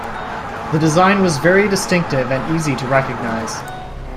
The design was very distinctive and easy to recognise.